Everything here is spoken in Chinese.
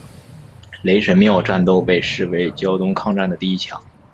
雷神庙战斗被视为胶东抗战的第一枪。